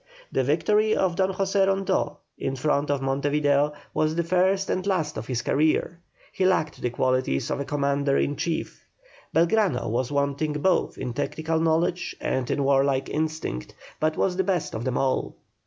The victory of Don José Rondeau, in front of Monte Video, was the first and last of his career; he lacked the qualities of a commander in chief. Belgrano was wanting both in technical knowledge and in warlike instinct, but was the best of them all.